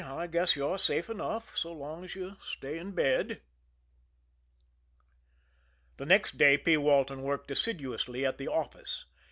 I guess you're safe enough so long as you stay in bed." The next day P. Walton worked assiduously at the office.